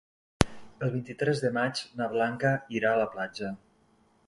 El vint-i-tres de maig na Blanca irà a la platja.